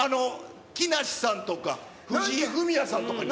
木梨さんとか、藤井フミヤさんとかは？